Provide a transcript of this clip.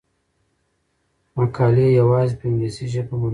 مقالې یوازې په انګلیسي ژبه منل کیږي.